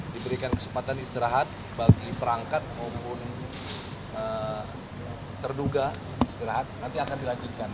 diberikan kesempatan istirahat bagi perangkat maupun terduga istirahat nanti akan dilanjutkan